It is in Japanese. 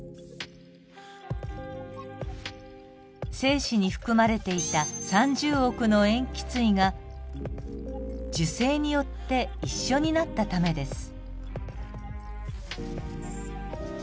精子に含まれていた３０億の塩基対が受精によって一緒になったためです。